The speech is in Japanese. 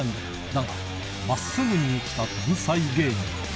だが、まっすぐに生きた天才芸人。